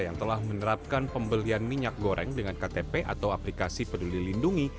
yang telah menerapkan pembelian minyak goreng dengan ktp atau aplikasi peduli lindungi